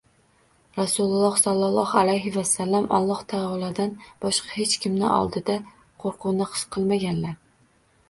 Rasululloh sollalohu alayhi vasallam Alloh taolodan boshqa hech kim oldida qo‘rquvni his qilmaganlar.